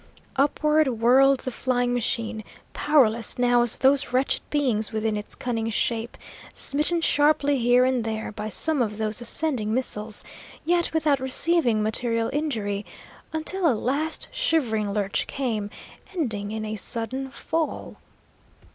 Upward whirled the flying machine, powerless now as those wretched beings within its cunning shape, smitten sharply here and there by some of those ascending missiles, yet without receiving material injury; until a last shivering lurch came, ending in a sudden fall.